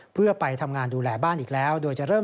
เพื่อไปทำงานดูแลบ้านอีกแล้ว